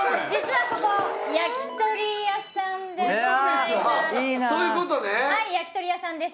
はい焼き鳥屋さんです。